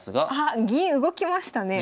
あっ銀動きましたね！